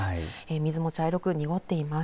水も茶色く濁っています。